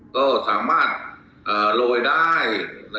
ขอบคุณทุกคน